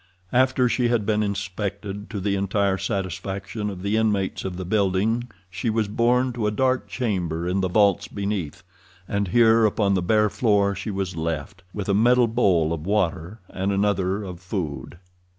After she had been inspected to the entire satisfaction of the inmates of the building she was borne to a dark chamber in the vaults beneath, and here upon the bare floor she was left, with a metal bowl of water and another of food.